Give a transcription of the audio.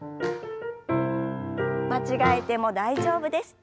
間違えても大丈夫です。